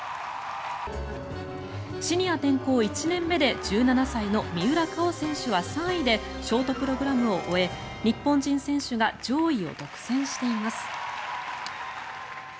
シニア転向１年目で１７歳の三浦佳生選手は３位でショートプログラムを終え日本人選手が上位を独占しています。